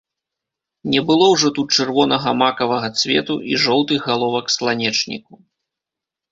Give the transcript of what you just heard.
Не было ўжо тут чырвонага макавага цвету і жоўтых галовак сланечніку.